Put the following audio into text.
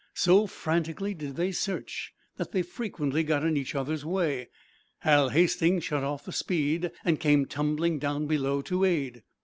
So frantically did they search that they frequently got in each other's way. Hal Hastings shut off the speed and came tumbling down below to aid.